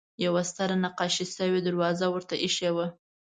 یوه ستره نقاشي شوې دروازه ورته اېښې وه.